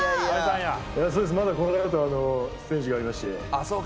まだこのあとステージがありまして。